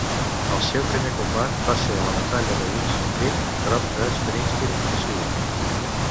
El seu primer combat va ser a la batalla de Wilson's Creek prop de Springfield, Missouri.